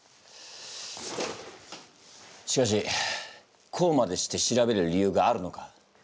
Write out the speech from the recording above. しかしこうまでして調べる理由があるのか？